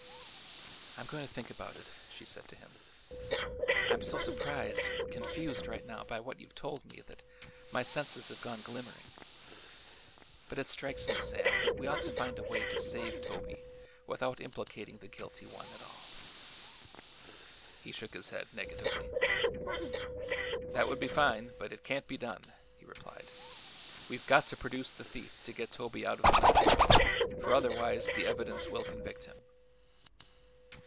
"I'm going to think about it," she said to him. "I'm so surprised and confused right now by what you've told me that my senses have gone glimmering. But it strikes me, Sam, that we ought to find a way to save Toby without implicating the guilty one at all." He shook his head negatively. "That would be fine, but it can't be done," he replied. "We've got to produce the thief to get Toby out of the mess, for otherwise the evidence will convict him."